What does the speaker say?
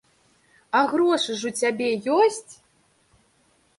А грошы ж у цябе ёсць?